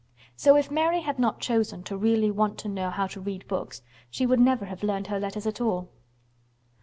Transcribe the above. So if Mary had not chosen to really want to know how to read books she would never have learned her letters at all.